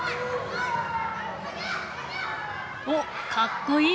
おっかっこいい！